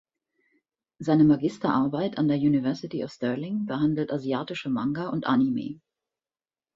Seine Magisterarbeit an der University of Stirling behandelt asiatische Manga und Anime.